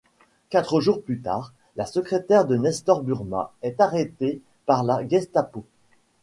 Quatre jours plus tard, la secrétaire de Nestor Burma est arrêtée par la Gestapo.